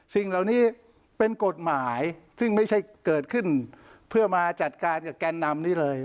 สิ่งเหล่านี้เป็นกฎหมายซึ่งไม่ใช่เกิดขึ้นเพื่อมาจัดการกับแกนนำนี้เลย